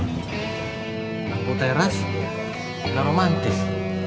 lampu teras juga romantis